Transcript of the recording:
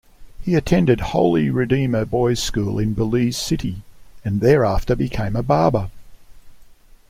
He attended Holy Redeemer boys' school in Belize City and thereafter became a barber.